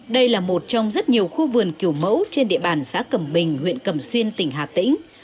đây là một trong rất nhiều khu vườn kiểu mẫu trên địa bàn xã cẩm bình huyện cẩm xuyên tỉnh hà tĩnh